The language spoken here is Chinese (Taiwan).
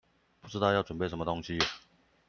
不知道要準備什麼東西